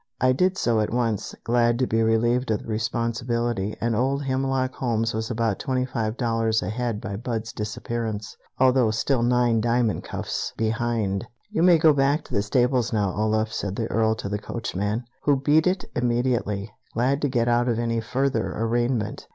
I did so at once, glad to be relieved of the responsibility, and old Hemlock Holmes was about twenty five dollars ahead by Budd's disappearance, although still nine diamond cuff buttons behind! "You may go back to the stables now, Olaf," said the Earl to the coachman; who beat it immediately, glad to get out of any further arraignment.